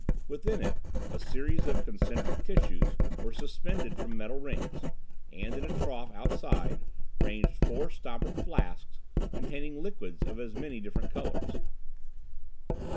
Within it a series of concentric tissues were suspended from metal rings, and in a trough outside ranged four stoppered flasks containing liquids of as many different colors.